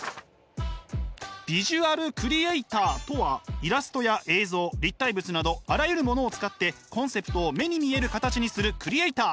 ビジュアルクリエイターとはイラストや映像立体物などあらゆるものを使ってコンセプトを目に見える形にするクリエイター。